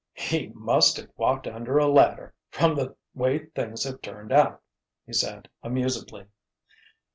"He must have walked under a ladder, from the way things have turned out," he said, amusedly.